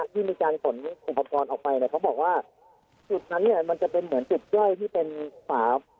ที่มีการขนอุปกรณ์ออกไปเนี่ยเขาบอกว่าจุดนั้นเนี่ยมันจะเป็นเหมือนจุดย่อยที่เป็นฝา